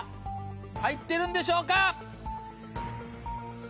入ってるんでしょうか？